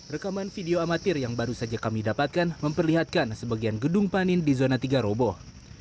rekaman video amatir yang baru saja kami dapatkan memperlihatkan sebagian gedung panin di zona tiga roboh